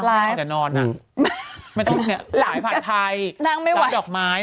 เอ้าใช่จริงว่าเมย์